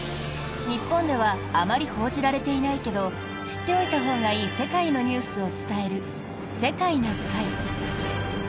日本ではあまり報じられていないけど知っておいたほうがいい世界のニュースを伝える「世界な会」。